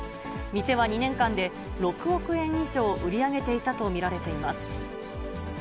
店は２年間で６億円以上売り上げていたと見られています。